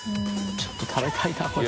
ちょっと食べたいなこれ。